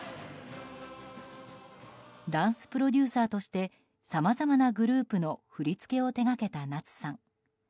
ダンスプロデューサーとしてさまざまなグループの振り付けを手掛けた夏さん。